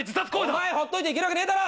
お前ほっといて行けるわけねえだろ！